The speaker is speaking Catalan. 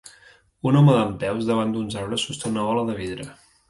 Un home dempeus, davant d'uns arbres, sosté una bola de vidre.